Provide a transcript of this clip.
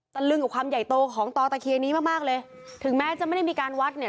ตะลึงกับความใหญ่โตของต่อตะเคียนนี้มากมากเลยถึงแม้จะไม่ได้มีการวัดเนี่ย